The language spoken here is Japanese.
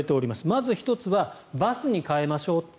まず１つがバスに変えましょう。